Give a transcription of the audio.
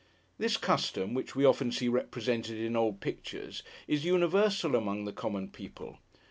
This custom (which we often see represented in old pictures) is universal among the common people.